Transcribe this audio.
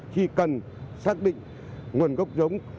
khi cần xác định nguồn gốc giống